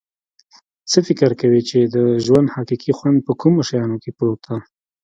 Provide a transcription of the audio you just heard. څه فکر کویچې د ژوند حقیقي خوند په کومو شیانو کې پروت ده